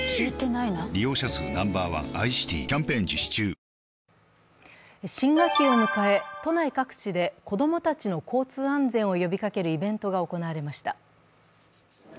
だってさ新学期を迎え、都内各地で子どもたちの交通安全を呼びかけるイベントが行われました。